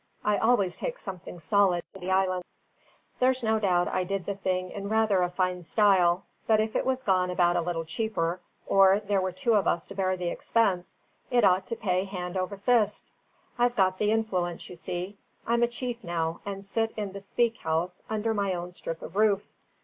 I always take something solid to the islands. There's no doubt I did the thing in rather a fine style; but if it was gone about a little cheaper, or there were two of us to bear the expense, it ought to pay hand over fist. I've got the influence, you see. I'm a chief now, and sit in the speak house under my own strip of roof.